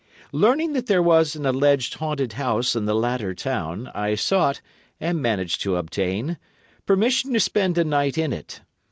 Learning that there was an alleged haunted house in the latter town, I sought, and managed to obtain, permission to spend a night in it.